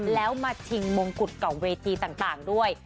แล้วมาชิงมงกุฎกับเวทีต่างด้วย